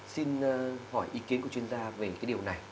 xin hỏi ý kiến của chuyên gia về cái điều này